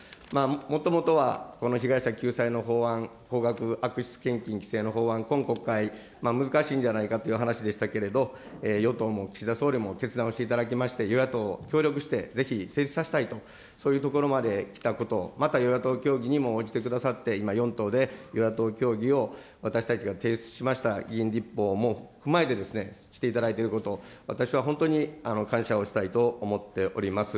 もともとはこの被害者救済の法案、高額悪質献金禁止の法案、今国会、難しいんじゃないかという話でしたけれど、与党も岸田総理も決断をしていただきまして、与野党協力して、ぜひ成立させたいと、そういうところまで来たこと、また与野党協議にも応じてくださって、今４党で与野党協議を私たちが提出した議員立法も踏まえてしていただいていること、私は本当に感謝をしたいと思っております。